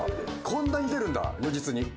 こんなに出るんだ如実に。